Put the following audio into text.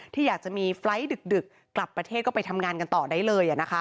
ที่อยากจะมีไฟล์ทดึกกลับประเทศก็ไปทำงานกันต่อได้เลย